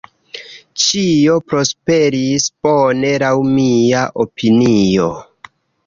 Ĉio prosperis bone laŭ mia opinio.